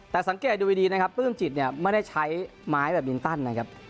แต่สังเกตดูดีนะครับปลื้มจิตเนี่ยไม่ได้ใช้ไม้แบบมินตันนะครับ